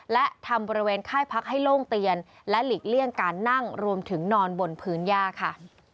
และทำบริเวณค่ายพักให้โล่งเตียนและหลีกเลี่ยงการนั่งรวมถึงนอนบนพื้นย่าค่ะ